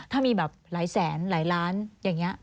ถ้ามีแบบหลายแสนหลายล้านอย่างนี้